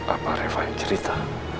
apa reva yang cerita